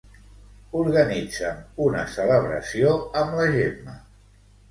Organitza'm una celebració amb la Gemma.